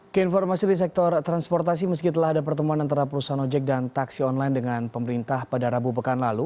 keinformasi di sektor transportasi meskipun telah ada pertemuan antara perusahaan ojek dan taksi online dengan pemerintah pada rabu pekan lalu